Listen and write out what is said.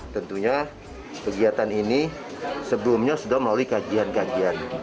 tentunya kegiatan ini sebelumnya sudah melalui kajian kajian